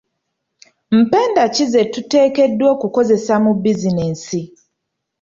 Mpenda ki ze tuteekeddwa okukozesa mu bizinensi?